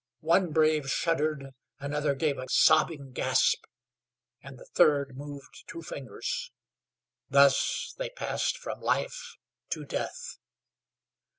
One brave shuddered another gave a sobbing gasp, and the third moved two fingers thus they passed from life to death.